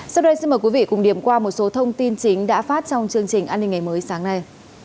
sau đây xin mời quý vị cùng điểm qua một số thông tin chính đã phát trong chương trình an ninh ngày mới sáng nay